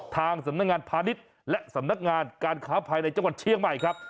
ทางสำนักงานพาณิชย์และสำนักงานการค้าภายในจังหวัดเชียงใหม่ครับ